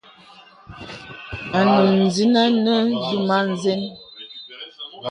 Anùn zìnə nə dùmə̄ nzə̀n.